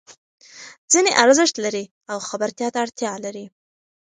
ځینې ارزښت لري او خبرتیا ته اړتیا لري.